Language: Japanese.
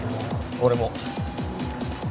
俺も。